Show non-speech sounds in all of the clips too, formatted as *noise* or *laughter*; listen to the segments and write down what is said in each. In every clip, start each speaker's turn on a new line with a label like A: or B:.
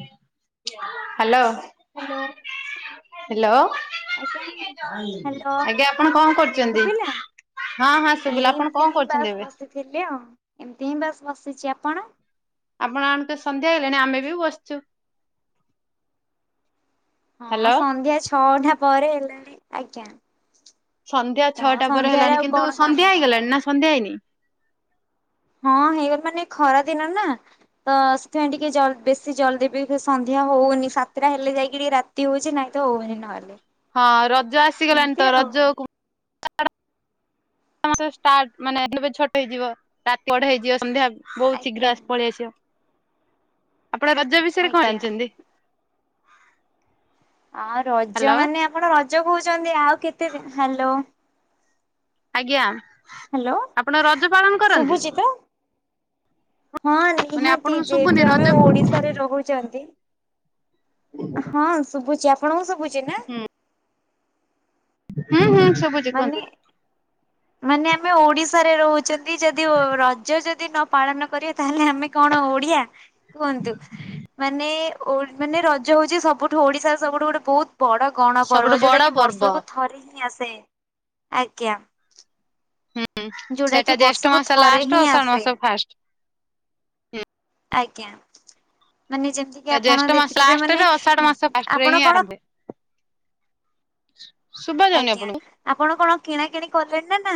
A: *inaudible* Hello.
B: Hello
A: *inaudible*
B: ଆଜ୍ଞା
A: hello
B: hello
A: ଆଜ୍ଞା ଆପଣ କଣ କରୁଛନ୍ତି?
B: ଶୁଭିଲା?
A: ହଁ ହଁ
B: ଏଇ
A: ଶୁଭିଲା, ଆପଣ
B: ଏମିତି
A: କଣ କରୁଛନ୍ତି ଏବେ?
B: ମୁଁ ବାସ୍ ବସିଚି ଆପଣ?
A: ଆପଣ ଆମେତ ସନ୍ଧ୍ୟା ହେଲାଣି ଆମେ ବି ବସିଚୁ। *inaudible*
B: ହଁ ସନ୍ଧ୍ୟା ଛଅ ଛଅଟା ପରେ ହେଲାଣି ଆଜ୍ଞା।
A: ସନ୍ଧ୍ୟା
B: ତ
A: ଛଅଟା ପରେ
B: ସନ୍ଧ୍ୟାରେ
A: ହେଲାଣି
B: ଆଉ
A: କିନ୍ତୁ
B: କଣ
A: ସନ୍ଧ୍ୟା
B: କାମ କଣ
A: ହେଇଗଲାଣି ନା ସନ୍ଧ୍ୟା ହେଇନି?
B: ହଁ ହେଇଗଲା ମାନେ ଖରା ଦିନ ନା ତ ସେଥିପାଇଁ ଟିକେି ଜଲଦି ବେଶୀ ଜଲଦି ବି ସନ୍ଧ୍ୟା ହୋଉନି ସାତଟା ହେଲେ ଯାଇକି ଟିକେ ରାତି ହୋଉଚି ନାଇଁ ତ ହୋଉନି ନହେଲେ।
A: ହଁ ରଜ ଆସିଗଲାଣି
B: ଏମିତି
A: ତ
B: ଆଉ
A: ରଜକୁ ହ *unintelligible* ମାସ ଷ୍ଟାର୍ଟ ମାନେ ଛୋଟ ହେଇଯିବ ରାତି ବଡ ହେଇଯିବ ସନ୍ଧ୍ୟା ବୋହୁତ
B: ଆଜ୍ଞା
A: ଶୀଘ୍ର ଆସ ପଳେଇଆସିବ। ଆପଣ ରଜ ବିଷୟରେ କଣ
B: ଆଜ୍ଞା।
A: ଜାଣିଛନ୍ତି?
B: ଆଉ ରଜ
A: ହ୍ୟାଲୋ
B: ମାନେ ଆପଣ ର ଜ କହୁଛନ୍ତି ଆଉ କେତେ ଦିନ, ହ୍ୟାଲୋ
A: ଆଜ୍ଞା।
B: ହ୍ୟାଲୋ
A: ଆପଣ ରଜ ପାଳନ କରନ୍ତି?
B: ଶୁଭୁଛି ତ? ହଁ
A: ମାନେ
B: ନିହାତି
A: ଆପଣଙ୍କୁ ଶୁଭୁନି
B: ଯେହେତୁ
A: ରଜ
B: ଆମେ ଓଡିଶାରେ ରହୁଛନ୍ତି। ହଁ ଶୁଭୁଛିି ଆପ ଆପଣଙ୍କୁ ଶୁଭୁଛି ନା?
A: ହୁଁ ହୁଁ। ଶୁଭୁଛି
B: ମାନେ
A: କୁହନ୍ତୁ?
B: ମାନେ ଆମେ ଓଡିଶାରେ ରହୁଛେ ତି ଯଦି ରଜ ଯଦି ଯଦି ନ ପାଳନ କରିବା ତାହେଲେ ଆମେ କଣ ଓଡିଆ କୁହନ୍ତୁ ମାନେ ଓ ମାନେ ରଜ ହଉଛି ସବୁଠୁ ଓଡିଶାର ସବୁଠୁ ଗୋଟେ ବହୁତ ବଡ ଗଣ
A: ସବୁଠୁ
B: ପର୍ବ
A: ବଡ
B: ଯୋଉଟା କି
A: ପର୍ବ
B: ବର୍ଷକୁ ଥରେ ହିଁ ଆସେ। ଆଜ୍ଞା।
A: ହୁଁ
B: ଯୋଉଟା କି
A: ସେଇଟା ଜେଷ୍ଠ
B: ବର୍ଷକୁ
A: ମାସ
B: ଥରେ
A: ଲାଷ୍ଟ
B: ହିଁ
A: ଆଉ ଆଷାଢ
B: ଆସେ
A: ମାସ ଫାଷ୍ଟ।
B: ଆଜ୍ଞା। ମାନେ ଯେମିତି କିି ଆପଣ
A: ଜ୍ୟେଷ୍ଠ ମାସ
B: ଦେଖିଥିବେ ମାନେ
A: ଲାଷ୍ଟରେ ଅଷାଢ ମାସ ଫାଷ୍ଟରେ
B: ଆପଣ
A: ହିଁ
B: କଣ
A: ଆରମ୍ଭ ହୁଏ। ଶୁଭା ଯାଉନି
B: ଆଜ୍ଞା
A: ଆପଣଙ୍କୁ?
B: ଆପଣ କଣ କିଣା କିଣି କଲେଣି ନା?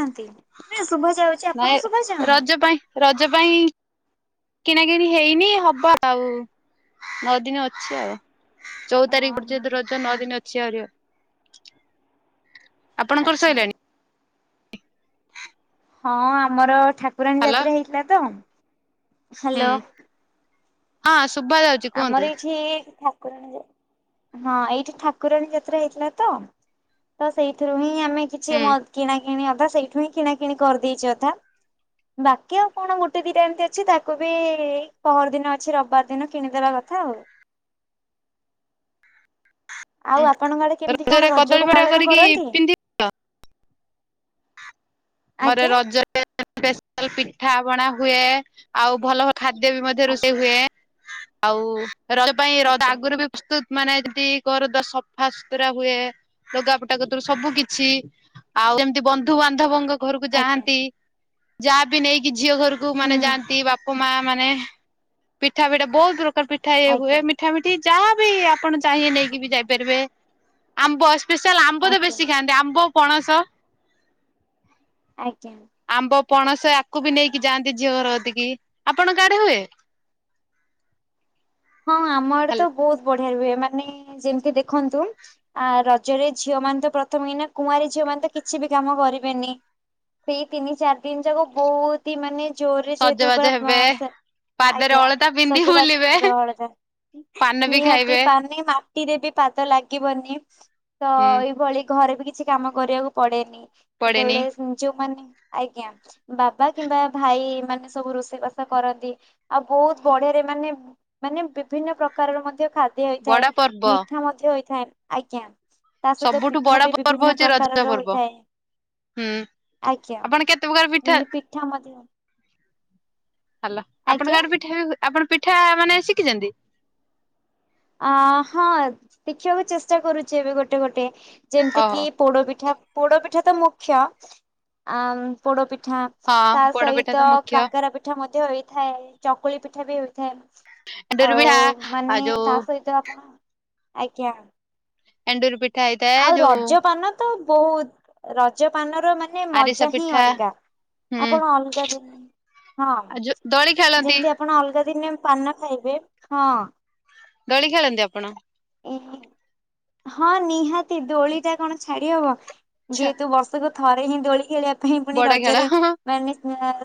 B: ନା ଶୁଭା ଯାଉଛି
A: ନାଇଁ
B: ଆପଣଙ୍କୁ ଶୁଭା ଯାଉନି?
A: ରଜ ପାଇଁ ରଜ ପାଇଁ କିଣାକିଣି ହେଇନି ହବ ଆଉ ନଅ ଦିନ ଅଛି ଆଉ। ଚଉଦ ତାରିଖ
B: ଓହୋ
A: ଦିନ ରଜ ନଅ ଦିନ ଚାର ଆପଣଙ୍କର
B: ଆଚ୍ଛା
A: ସରିଲାଣି?
B: ହଁ ଆମର ଠାକୁରାଣୀ
A: ହାଲୋ
B: ଯାତ୍ରା ହେଇଥିଲା ତ।
A: ହୁଁ
B: ହ୍ୟାଲୋ
A: ହଁ। ଶୁଭ ଯାଉଛି
B: ଆମର
A: କୁହନ୍ତୁ।
B: ଏଇଠି ହଁ ଏଇଠି ଠାକୁରାଣୀ ଯାତ୍ରା ହେଇଥିଲା ତ ତ ସେଇଥିରୁ ହିଁ ଆମେ କିଛି
A: ହୁଁ
B: ମ କିଣା କିଣି ଅଧା ସେଇଠୁ ହିଁ କିଣା କିିଣି କରିଦେଇଚି ଅଧା ବାକି ଆଉ କଣ ଗୋଟେ ଦିଟା ଏମିତି ଅଛି ତାକୁ ବି ପହର ଦିନ ଅଛି ରବିବାର ଦିନ କିଣିଦବା କଥା ଆଉ। ଆଉ ଆପଣଙ୍କ ଆଡେ କେମିତି କଣ
A: ରଜରେ କଦଳୀ
B: ରଜକୁ
A: ଭଆ
B: ପାଳନ
A: କରିକି
B: କରନ୍ତି?
A: ପିନ୍ଧଥିଲ ଆମର
B: ଆଜ୍ଞା।
A: ରଜରେ ସ୍ପେସିଆଲ ପିଠା ପଣା ହୁଏ ଆଉ ଭଲ ଭ ଖାଦ୍ୟ ବି ମଧ୍ୟ ରୋଷେଇ
B: ଆଜ୍ଞା
A: ହୁଏ। ଆଉ ରଜ ପାଇଁ ରଜ
B: ଆଜ୍ଞା।
A: ଆଗରୁ ବି ପ୍ରସ୍ତୁତ ମାନେ ଯଦି ଘରଦାର ସଫାସତୁରା ହୁଏ ଲଗାପଟା କତିରୁ ସବୁ କିଛି ଆଉ ଯେମିତି ବନ୍ଧୁ ବାନ୍ଧବଙ୍କ ଘରକୁ
B: ଆଜ୍ଞା
A: ଯାଆନ୍ତି। ଯାହା ବିି ନେଇକି ଯା ଝିଅ ଘରକୁ ମାନେ
B: ହୁଁ
A: ଯାଆନ୍ତି ବାପା ମା ମାନେ ପିଠା ଫିଠା ବହୁତ ଦୂ ପିଠାଏ ହୁଏ
B: ଆଜ୍ଞା
A: ମିଠା ମିଠି ଯାହାବି ଆପଣ ଚାହିଁଏ ବି ଯାଇପାରିବେ ଆମ୍ବ ସ୍ପେଶାଲ ଆମ୍ବ ତ
B: ଆଜ୍ଞା
A: ବେଶୀ ଖାଆନ୍ତି ଆମ୍ବ ପଣସ,
B: ଆଜ୍ଞା।
A: ବ ପଣସ ଆକୁ ବି ନେଇକି ଯାଆନ୍ତି ଝିଅ ଘରତିକି ଆପଣଙ୍କ ଆଡେ ହୁଏ।
B: ହଁ ଆମ ଆଡେ ତ ବହୁତ ବଢିଆ। ହ ମାନେ ଯେମିତି ଦେଖନ୍ତୁ ଆ ରଜରେ ଝିଅ ମାନେ ତ ପ୍ରଥମେ ହିନା କୁଆଁରୀ ଝିଅ ମାନେ ତ କିଛି ବି କାମ କରିବେନି ସେଇ ତିନି ଚାରି ଦିନ ଯାକ ବହୁତ ହିଁ ମାନେ ଜୋରରେ ଯେହେତୁ
A: ସଜବାଜ ହେବେ
B: ପୁରା
A: ପାଦରେ
B: ଆଜ୍ଞା
A: ଅଳତା ପିନ୍ଧି
B: ସଜବାଜ ହେଇକି
A: ବୁଲିବେ
B: ଅଳତା
A: ପାନ ବି
B: ନିହାତି
A: ଖାଇବେ।
B: ପାନେ ମା ମାଟିରେ ବି ପାଦ ଲାଗିବନି। ତ
A: ହୁଁ
B: ଏଇଭଳି ଘରେ ବି କିଛି କାମ କରିବାକୁ ପଡେନି।
A: ପଡେନି
B: ସେତେବେଳେ ଯୋଉମାନେ ଆଜ୍ଞା। ବାବା କିମ୍ବା ଭାଇ ମାନେ ସବୁ ରୋଷେଇବାସା କରନ୍ତି ଆଉ ବହୁତ ବଢିଆରେ ମାନେ ମାନେ ବିଭିନ୍ନ ପ୍ରକାରର ମଧ୍ୟ ଖାଦ୍ୟ ହେଇଥାଏ
A: ବଡ ପର୍ବ
B: ମିଠା ମଧ୍ୟ ହୋଇଥାଏ। ଆଜ୍ଞା। ତା ସହିତ
A: ସବୁଠୁ
B: ପିଠା
A: ବଡ
B: ବି
A: ପର୍ବ
B: ବିଭିନ୍ନ
A: ହଉଛି ରଜ
B: ପ୍ରକାରର
A: ପର୍ବ।
B: ହୋଇଥାଏ।
A: ହୁଁ
B: ଆଜ୍ଞା
A: ଆପଣ କେତେ ପ୍ରକାର
B: ଯେମିତି ପିଠା ମଧ୍ୟ
A: ହାଲା ଆପଣଙ୍କ
B: ଆଜ୍ଞା
A: ଗାଁ ପିଠା ହୁଏ ଆପଣ ପିଠା ମାନେ ଶିଖିଛନ୍ତି?
B: ଆଁ ହଁ ଶିଖିବାକୁ ଚେଷ୍ଟା କରୁଚି ଏବେ ଗୋଟେ ଗୋଟେ ଯେମିତି
A: ଓହୋ
B: କିି ପୋଡପିଠା, ପୋଡୋପିଠା ତ ମୁଖ୍ୟ ଆ ପୋଡ଼ୋ ପିଠା ତା
A: ହଁ ପୋଡ ପିଠା ତ
B: ସହିତ
A: ମୁଖ୍ୟ
B: କାକରା ପିଠା ମଧ୍ୟ ହେଇ ଥାଏ ଚକୁଳି ପିଠା ବି ହୋଇଥାଏ।
A: ଏବେ ରହିଲା
B: ଆଉ ମାନେ
A: ଆଉ ଯୋଉ
B: ତା ଆପଣ ଆଜ୍ଞା।
A: ଏଣ୍ଡୁରି ପି
B: ଆଉ ରଜ ପାନ ତ ବହୁତ ରଜ ପାନ ନର ମାନେ
A: ଆରିସା
B: ମଜା ହିଁ
A: ପିଠା
B: ଅଲଗା
A: ହୁଁ
B: ଆପଣ ଅଲଗା ଦିନ ହଁ
A: ଆଉ ଯୋଉ ଦୋଳି ଖେଳନ୍ତି
B: ଯେମତି ଆପଣ ଅଲଗା ଦିନେ ପାନ ଖାଇବେ ହଁ।
A: ଦୋଳି ଖେଳନ୍ତି ଆପଣ?
B: ହଁ ନିହାତ ତି ଦୋଳି ଟା କଣ ଛାଡି ହବ
A: ଆଚ୍ଛା
B: ଯେହେତୁ ବର୍ଷକୁ ଥରେ ହିଁ ଦୋଳି ଖେଳିବା ବା ପାଇଁ ପୁଣି
A: ବଡ ଖେଳ
B: ରଜରେ ମାନେ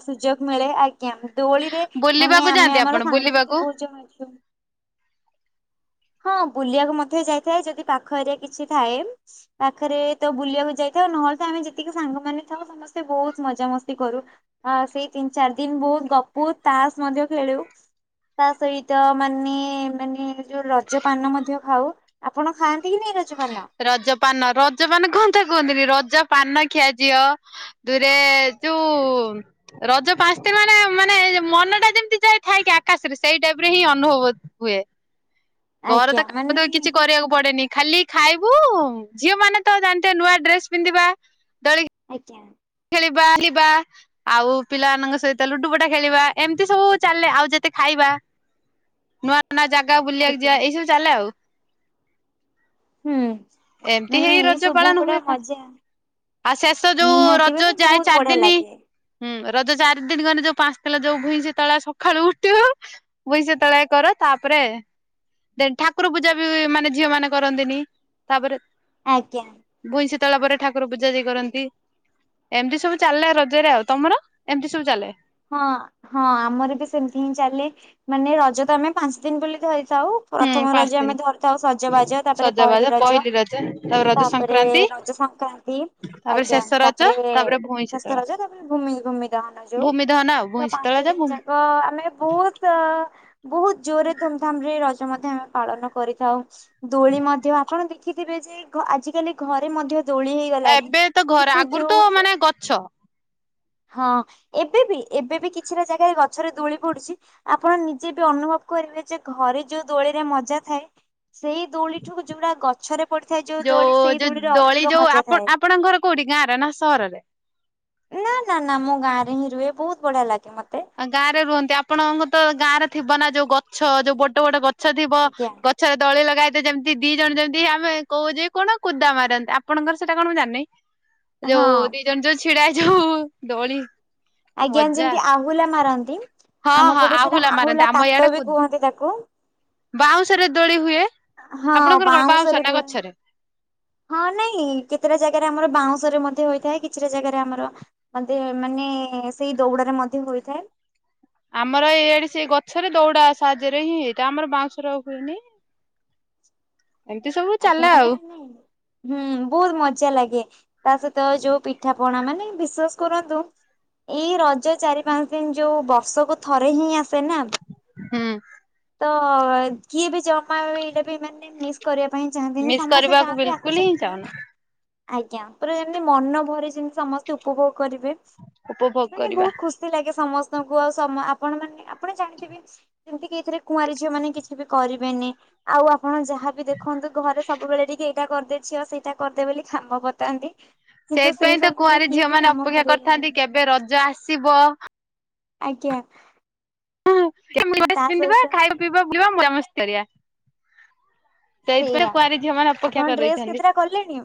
B: ସୁଯୋଗ ମିଳେ ଆ ଆଜ୍ଞା ଦୋଳିରେ ମାନେ
A: ବୁଲିବାକୁ
B: ଆମେ
A: ଯାଆନ୍ତି ଆପଣ
B: ଆମର ସାଙ୍ଗସାଥି
A: ବୁଲିବାକୁ?
B: ବହୁତ ଜଣ ଅଛୁ। ହଁ ବୁଲିବାକୁ ମଧ୍ୟ ଯାଇଥାଏ ଯଦି ପାଖ ଏରିଆ କିଛି ଥାଏ ପାଖରେ ତ ବୁଲିବାକୁ ଯାଇଥାଉ ନହେଲେ ତ ଆମେ ଯେତିକି ସାଙ୍ଗମାନେ ଥାଉ ସମସ୍ତେ ବହୁତ ମଜାମସ୍ତି କରୁ ଆ ସେଇ ତିନି ଚାରି ଦିନ ବହୁତ ଗପୁ ତାସ ମଧ୍ୟ ଖେଳୁ ତା ସହିତ ମାନେ ମାନେ ଯୋଉ ରଜ ପାନ ମଧ୍ୟ ଖାଉ ଆପଣ ଖାଆନ୍ତି କି ନାଇଁ ରଜ ପାନ?
A: ରଜ ପାନ ରଜ ପାନ କୁହନ୍ତା କୁହନ୍ତିନି ରଜ ପାନ ଖିଆ ଝିଅ ଦୂରେ ଯୋଉ ରଜ ପାଞ୍ଚଟା ମାନେ ମାନେ ମନ ଟା ଯେମିତି ଯାଇ ଥାଏ କି ଆକାଶରେ ସେଇ ଟାଇପର ହିଁ ଅନୁଭବ ହୁଏ। ଘର ତ
B: ଆଜ୍ଞା
A: କାମ
B: ମାନେ
A: ତ କିଛି କରିବାକୁ ପଡେନି। ଖାଲି ଖାଇବୁ ଝିଅ ମାନେ ତ ଜାଣିଥିବେ ନୂଆ ଡ୍ରେସ ପିନ୍ଧିବା ଦୋଳି
B: ଆଜ୍ଞା।
A: ବାହାଲି ବା ଆଉ ପିଲାମାନଙ୍କ ସହିତ ଲୁଡୁ ପଟା ଖେଳିବା ଏମିତି ସବୁ ଚାଲେ ଆଉ ଯେତେ ଖାଇବା ନୂଆ ଆ ନୂଆ ଜାଗା ବୁଲିବାକୁ
B: ଆଜ୍ଞା
A: ଯିବା ଏଇସବୁ ଚାଲେ ଆଉ।
B: ହୁଁ।
A: ଏମତି
B: ମାନେ
A: ହେଇ
B: ଏଇ
A: ରଜ
B: ସବୁ
A: ପାଳନ
B: ଗୁଡା
A: ହୁଏ
B: ମଜା
A: ଫାଷ୍ଟ ଆଉ ଶେଷ ଯୋଉ
B: ନିହାତି
A: ରଜ
B: ମାନେ
A: ଯାଏ
B: ବହୁତ
A: ଚାରି
B: ବଢିଆ
A: ଦିନି
B: ଲାଗେ।
A: ହୁଁ। ରଜ ଚାରି ଦିନି ଗନେ ଯୋଉ ପାଞ୍ଚ ତାଲା ଯୋଉ ଭୂଇଁ ସେତେବେଳେ ସଖାଳୁ ଉଠିବୁ ଭୂଇଁ ସେତେବେଳେ କରୁ ତାପରେ ଠାକୁର ପୂଜା ବି ମାନେ ଝିଅ ମାନେ କରନ୍ତିନି। ତାପରେ
B: ଆଜ୍ଞା।
A: ଶୀତଳ ପରେ ଠାକୁର ପୂଜା ଯାଇ କରନ୍ତି। ଏମିତି ସବୁ ଚାଲେ ରଜରେ ଆଉ ତମର ଏମିତି ସବୁ ଚାଲେ?
B: ହଁ ହଁ ଆମର ବି ସେମତି ହିଁ ଚାଲେ ମାନେ ରଜ ତ ଆମେ ପାଞ୍ଚ ଦିନ ବୋଲି ଧରି ଥାଉ
A: ହୁଁ
B: ପ୍ରଥମ
A: ପାଞ୍ଚ
B: ରଜ
A: ଦିନ।
B: ଆମେ ଧରିଥାଉ ସଜବାଜ ତାପରେ ପହିଲି ରଜ ତାପରେ ରଜ ସଂକ୍ରାନ୍ତି
A: ତାପରେ
B: ଆଜ୍ଞା
A: ଶେଷ ରଜ
B: ତାପରେ
A: ଭୂଇଁ
B: ଶେଷ
A: ଶୀତଳା।
B: ରଜ ତାପରେ ଭୂମି ଭୂମି ଦହନ ଯୋଉ
A: ଭୂମି ଦହନ ଆଉ
B: ତ
A: ଭୂଇଁ ଶୀତଳା
B: ପାଞ୍ଚ
A: ଯା
B: ଦିନ
A: ଭୂମି
B: ଯାକ ଆମେ ବହୁତ ବହୁତ ଜୋରରେ ଧୁମଧାମ ରେ ରଜ ମଧ୍ୟ ଆମେ ପାଳନ କରିଥାଉ। ଦୋଳି ମଧ୍ୟ ଆପଣ ଦେ ଦେଖିଥିବେ ଯେ ଆଜିକାଲି ଘରେ ମଧ୍ୟ ଦୋଳି ହେଇଗଲାଣି।
A: ଏବେ ତ ଘର
B: କିନ୍ତୁ
A: ଆଗରୁ
B: ଯୋଉ
A: ତ ମାନେ ଗଛ
B: ହଁ ଏବେ ବି ଏବେ ବି କିଛିଟା ଜାଗାରେ ଗଛରେ ଦୋଳି ପଡୁଛି ଆପଣ ନିଜେ ବି ଅନୁଭବ କରିବେ ଯେ ଘରେ ଯୋଉ ଦୋଳିରେ ମଜା ଥାଏ ସେଇ ଦୋଳିଠୁ ଯୋଉରା ଗ ଗଛର
A: ଯୋଉ ଯୋଉ ଦୋଳି ଯୋଉ
B: ମଜା
A: ଆପଣ
B: ଥାଏ।
A: ଆପଣଙ୍କର କୋଉଠି ଗାଁ ରେ ନା ସହରରେ।
B: ନା ନା ମୁଁ ଗାଁରେ ହିଁ ରୁହେ ବହୁତ। ବଢ଼ିଆ ଲାଗେ ମୋତ୍
A: ଆ ଗାଁ ରେ ରୁହନ୍ତି ଆପଣଙ୍କ ତ ଗାଁରେ ଥିବ ନା ଯୋଉ ଗଛ ଯୋଉ ବଡ ବଡ ଗ ଗଛ ଥିବ
B: ଆଜ୍ଞା
A: ଗଛରେ ଦୋଳି ଲଗା ହେଇ ସେ ଯେମିତି ଦି ଜଣ ଯେମିତି ଆମେ କହୁଛେ କଣ କୁଦା ମାରନ୍ତି ଆପଣଙ୍କର ସେଇଟା କଣ ମୁ ଜାଣିନି? ଯୋଉ
B: ହଁ।
A: ଦି ଜଣ ଯୋଉ ଛିଡା ହେଇ ହଁ ଦଳି
B: ଆଜ୍ଞା ଯେମିତି ଆହୁଲା ମାରନ୍ତି
A: ହଁ
B: ଆମ
A: ହଁ
B: ପଟେ ସେଟା ଆହୁଲା କାତ ବି କୁହନ୍ତି ତାକୁ
A: ବାଉଁଶ ରେ ଦୋଳି ହୁଏ
B: ହଁ
A: ଆପଣଙ୍କର କଣ
B: ବାଉଁଶରେ
A: ବାଉଁଶ
B: ଦୋ
A: ନା ଗଛରେ
B: ଇଆଡେ ଆମର ବାଉଁଶରେ ମଧ୍ୟ ହୋଇଥାଏ କିଛିଟା ଜାଗାରେ ଆମର ମଧ୍ୟ ମାନେ ଏ ସେଇ ଦୌଡ଼ରେ ମଧ୍ୟ ହୋଇଥାଏ।
A: ଆମର ଏଇଆଡେ ସେ ଗଛରେ ଦଉଡା ସାହାଯ୍ୟରେ ହିଁ ହେଇଥାଏ ଆମର ବାଉଁଶର ହୁଏନି ଏମିତି ସବୁ
B: ଆଜ୍ଞା
A: ଚାଲେ
B: ମାନେ
A: ଆଉ
B: ହୁଁ ବହୁତ ମଜା ଲାଗେ ତା ସହିତ ଯୋଉ ପିଠା ପଣା ମାନେ ବିଶ୍ଵାସ କରନ୍ତୁ ଏଇ ରଜ ଚାରି ପାଞ୍ଚ ଦିନ ଯୋଉ ବର୍ଷକୁ ଥରେ ହିଁ ଆସ
A: ହୁଁ
B: *unintelligible* ତ କିଏ ବି ଜମାଇଲେ ବି ମାନେ ମିସ୍ କରିବା ପାଇଁ ଚାହାନ୍ତିନି
A: ମିସ୍
B: ସମସ୍ତେ
A: କରିବାକୁ
B: ଯାଆନ୍ତି ଆକୁ
A: ବିଲକୁଲ ହିଁ
B: ଯେମିତି
A: ଚାହୁଁନା
B: ଆଜ୍ଞା ପୁରା ଯେମିତି ମନ ଭରି ସେମତି ସମସ୍ତେ ଉପଭୋଗ କରିବେ
A: ଉପଭୋଗ
B: ମାନେ
A: କରିବା।
B: ବହୁତ ଖୁସି ଲାଗେ ସମସ୍ତଙ୍କୁ ଆଉ ସମ ଆପଣ ମାନେ ଆପଣ ଜାଣିଥିବେ ଯେମିତି କି ଏଥିରେ କୁଆରୀ ଝିଅମାନେ କିଛି ବି କରିବେନି ଆଉ ଆପଣ ଯାହାବି ଦେ ଦେଖନ୍ତୁ ଘରେ ସବୁବେଳେ ଟିକେ ଏଇଟା କରିଦେ ଝିଅ ସେଇଟା କରିଦେ ବୋଲି କାମ ବତାନ୍ତି କିନ୍ତୁ ସେଇ
A: ସେଇଥିପାଇଁ ତ
B: ସମୟରେ
A: କୁଆଁରୀ
B: କିଏ
A: ଝିଅ
B: ବି
A: ମାନେ
B: କାମ
A: ଅପେକ୍ଷା
B: କରେନି
A: କରିଥାନ୍ତି କେବେ ରଜ ଆସିବ
B: ଆଜ୍ଞା।
A: ହଁ ନୂଆ ଡ଼୍ରେସ୍
B: ତା
A: ପିନ୍ଧିବା
B: ସହିତ
A: ଖାଇବା ପିଇବା ବୁଲିବା ମଜା ମସ୍ତି କରିବା ସେଇଥିପାଇଁ
B: ସେଇଆ
A: କୁଆରୀଁ ଝିଅମାନେ ଅପେକ୍ଷା
B: ଆପଣ
A: କରି
B: ଡ୍ରେସ୍
A: ରହିଥାନ୍ତି
B: କେତେଟା କଲେଣି?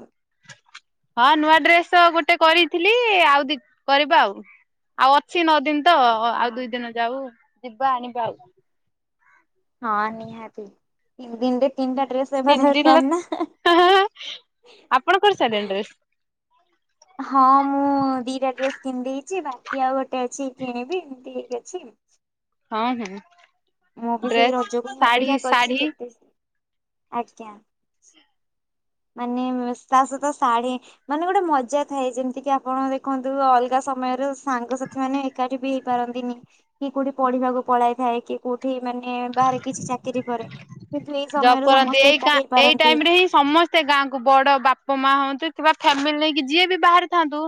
A: ହଁ ନୂଆ ଡ୍ରେସ ତ ଗୋଟେ କରିଥିଲି ଆଉ ଦି କରିବା ଆଉ ଆଉ ଅଛି ନଅ ଦିନ ତ ଆଉ ଦୁଇ ଦିନ ଯାଉ। ଯିବା ଆଣିବା ଆଉ।
B: ହଁ ନିହାତି ତିନି ଦିନରେ ତିନିଟା ଡ୍ରେସ୍ ହେବା
A: ତିନି ଦିନ ଲ
B: ଦରକାର ନା
A: ଆପଣ କରି ସାରିଲେଣି ଡ୍ରେସ
B: ହଁ ମୁଁ ଦିଟା ଡ୍ରେସ୍ କିଣିଦେଇଚି ବା ବାକି ଆଉ ଗୋଟେ ଅଛି କିଣିବି ଏମିତି ହେଇକି ଅଛି।
A: ହଁ ହଁ।
B: ମୁଁ ବି ସେଇ
A: ଡ୍ରେସ
B: ରଜକୁ ହିଁ
A: ଶାଢୀ
B: ଅପେକ୍ଷା କରିଛି
A: ଶାଢୀ
B: କେତେ ଆଜ୍ଞା। ମାନେ ତା ସହିତ ଶାଢୀ଼ ମାନେ ଗୋଟେ ମଜା ଥାଏ ଯେମିତି କିି ଆପଣ ଦେଖନ୍ତୁ ଅଲଗା ସମୟରେ ସାଙ୍ଗସାଥି ମାନେ ଏକାଠି ବି ହେଇପାରନ୍ତିନି କି କୋଉଠି ପଢିବାକୁ ପଳାଇ ଥାଏ କି କୋଉଠି ଏଠି ମାନେ ବାହାରେ କିଛି ଚାକିରି କରେ। କିନ୍ତୁ ଏଇ
A: ଜବ୍
B: ସମୟରେ
A: କରନ୍ତି
B: ସମସ୍ତେ
A: ଏଇକା
B: ଏକାଠି
A: ଏଇ
B: ହେଇପାରନ୍ତି
A: ଟାଇମ୍ ରେ ହିଁ ସମସ୍ତେ ତେ ଗାଁକୁ ବଡ ବାପା ମା ହୁଅନ୍ତୁ କିମ୍ବା ଫ୍ୟାମିଲି ନେଇକି ଯିଏ ବି ବାହାରେଥାନ୍ତୁ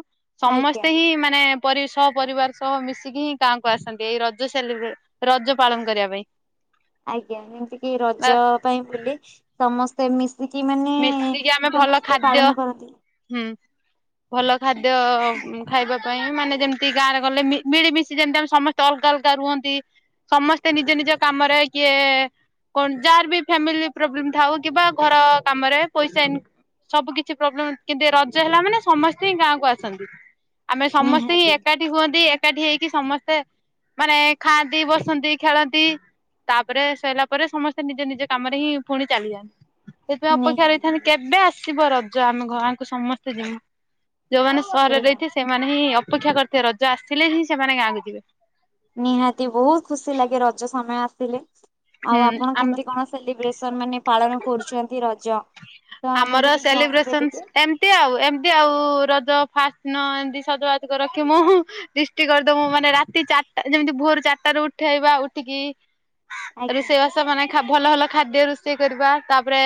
B: ଆଜ୍ଞା।
A: ସମସ୍ତେ ହିଁ ମାନେ ପରେ ସପରିବାର ସହ ମିଶିକି ହିଁ ଗାଁକୁ ଆସନ୍ତି ଏଇ ରଜ ସେଲିବ୍ରିଟ୍ ରଜ ପାଳନ କରିବା ପାଇଁ।
B: ଆଜ୍ଞା ଏମିତି କି ରଜ ପାଇଁ ବୁଲେ ସମସ୍ତ ସେମିିସ।
A: ମିଶିକି ଆମେ ଭଲ ଖାଦ୍ୟ
B: ପାଳନ କରନ୍ତି।
A: ହୁଁ ଭଲ ଖା ଦ୍ୟ ଖାଇବା ପାଇଁ ମାନେ ଯେମିତି ଗାଁରେ ଗଲେ ମି ମିଳିମିଶି ଯେମିତି ଆମ ସମସ୍ତେ ଅଲଗା ଅଲଗା ରୁହନ୍ତି ସମସ୍ତେ ନିଜ ନିଜ କାମରେ କିଏ କଣ ଯାହାର ବି ଫ୍ୟାମିଲି ପ୍ରୋବ୍ଲେମ ଥାଉ କିମ୍ବା ଘର। କାମରେ ପଇସା ଇନ୍ ସବୁ କିଛି ପ୍ରୋବ୍ଲେମ କିନ୍ତୁ ଏ ରଜ ହେଲା ମାନେ ସମସ୍ତେ ହିଁ ଗାଁକୁ ଆସନ୍ତି। ଆମେ ସମସ୍ତେ ହିଁ
B: ନିହାତି
A: ଏକାଠି ହୁଅନ୍ତି ଏକ ଏକାଠି ହେଇକି ସମସ୍ତେ ମାନେ ଖାଆନ୍ତି ବସନ୍ତି ଖେଳନ୍ତି ତାପରେ ସରିଲା ପରେ ସମସ୍ତେ ନିଜ ନିଜ କାମରେ ହିଁ ପୁଣି ଚାଲିଯାଆନ୍ତି। ସେଥିପାଇଁ ଅପେକ୍ଷା
B: ନିହାତି
A: ରହିଥାନ୍ତି କେବେ ଆସ ଆସିବ ରଜ ଆମେ ଗାଁକୁ ସମସ୍ତେ ଯିମୁ। ଯୋଉମାନେ ସହରରେ
B: ସେଇଆ
A: ରହିଥିବେ ସେମାନେ ହିଁ ଅ ଅପେକ୍ଷା କରିଥିବେ ରଜ ଆସିଲେ ହିଁ ସେମାନେ ଗାଁକୁ ଯିବେ।
B: ନିହାତି ବହୁତ ଖୁସି ଲାଗେ ରଜ ସମୟ ଆସ ସିଲେ।
A: ହୁଁ
B: ଆଉ ଆପଣ
A: ଆମ
B: କେମିତି କଣ ସେଲିବ୍ରେସ ମାନେ ପାଳନ କରୁଛନ୍ତି ରଜ। ତ ଆମକୁ
A: ଆମର
B: ବି ଜଣେଇବେ ଟିକେ
A: ସେଲିବ୍ରେସନସ ଏମତି ଆଉ ଏମତି ଆଉ ରଜ। ଫାର୍ଷ୍ଟ ଦିନ ଏମିତି ସଜବାଜ କୁ ରଖି ମୁଁ ଦିଷ୍ଟି କରିଦମୁ ମାନେ ରାତି ଚାରିଟା ଯେମିତି ଭୋର ଚାରିଟା ରୁ ଉଠେଇବା ଉଠିକି।
B: ଆଜ୍ଞା।
A: ରୋଷେଇବାସ ମାନେ ଖା ଭଲ ଭଲ। ଖାଦ୍ୟ ରୋଷେଇ କରିବା ତାପରେ।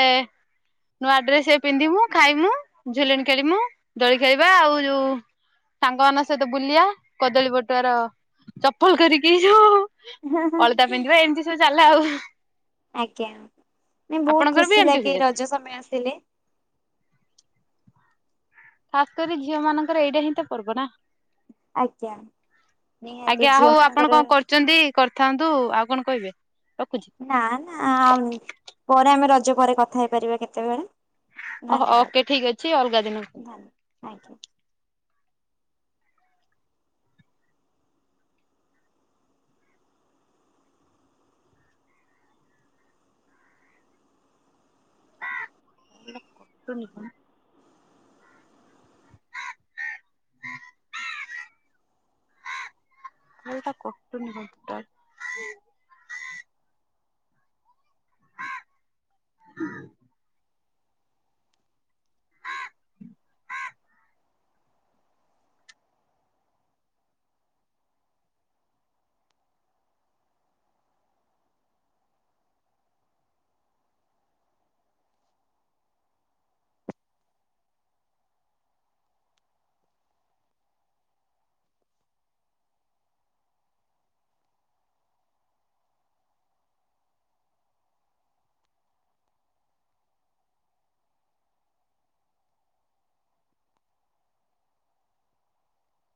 A: ନୂଆ ଡ୍ରେସ ପିନ୍ଧିମୁ ଖାଇମୁ ଝୁଲିଣି ଖେଳିମୁ ଦୋଳି ଖେଳିବା ଆଉ ଯୋଉ ସାଙ୍ଗମାନଙ୍କ ସହିତ ବୁଲିଆ କଦଳୀ ପଟୁଆର ଚପଲ କରିକି ଯୋଉ। ଅଳତା ପିନ୍ଧିବା ଏମିତି ସବୁ ଚା ଲ ଆଉ।
B: ଆଜ୍ଞା ନାଇ ବହୁତ
A: ଆପଣଙ୍କର ବି
B: ଖୁସି
A: ଏମିତି
B: ଲାଗେ
A: ହୁଏ
B: ରଜ ସମୟ ଆ ସିଲେ।
A: ଖାସ କରି ଝିଅ ମାନଙ୍କର ଏଇଟା ହିଁ ତ ପର୍ବ ନା।
B: ଆଜ୍ଞା ନିହାତି
A: ଆଜ୍ଞା
B: ଝିଅ
A: ହଉ ଆପଣ
B: ମାନଙ୍କର
A: କଣ କରୁଛନ୍ତି କରିଥାନ୍ତୁ ଆଉ କଣ କହିବେ। ରଖୁଛି
B: ନା ନା ପରେ ଆମେ ର ପରେ କଥା ହେଇପାରିବା କେତେବେଳେ।
A: ଓହୋ
B: ଧନ୍ୟବାଦ
A: ଓକେ ଠିକ୍ ଅଛି ଅଲଗା ଦିନକୁ।
B: Thank you.
A: ନେଲ କଟୁନି କଣ। ଭାଇ ଏଇଟା କଟୁନି କଣ ଟୋଟାଲ। *inaudible*